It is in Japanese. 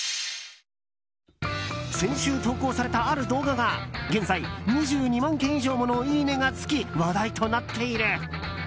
先週投稿された、ある動画が現在、２２万件以上ものいいねが付き話題となっている。